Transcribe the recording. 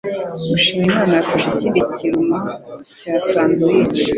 Mushimiyimana yafashe ikindi kiruma cya sandwich.